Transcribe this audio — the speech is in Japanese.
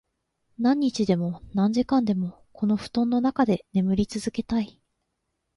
何日でも、何時間でも、この布団の中で眠り続けたい。